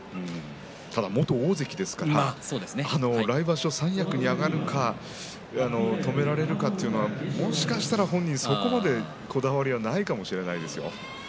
ただ元大関ですから三役に上がるか止められるかというのはもしかしたら本人はそれ程こだわりはないかもしれません。